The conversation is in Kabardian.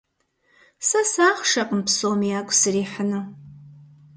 Сэ сыахъшэкъым псоми ягу срихьыну.